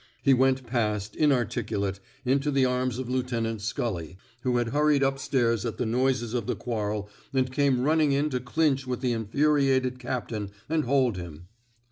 He went past, inarticulate, into the arms of Lieutenant Scully, who had hurried up stairs at the noises of the quarrel and came running in to clinch with the infuriated captain and hold him.